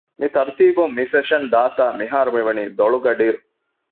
މި ތަރުތީބުން މި ސެޝަން ދާތާ މިހާރު މިވަނީ ދޮޅު ގަޑިއިރު